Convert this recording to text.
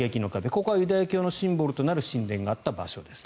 ここはユダヤ教のシンボルとなる神殿があった場所です。